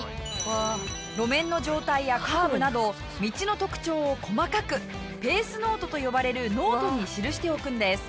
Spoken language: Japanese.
路面の状態やカーブなど道の特徴を細かくペースノートと呼ばれるノートに記しておくんです。